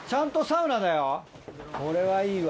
これはいいわ。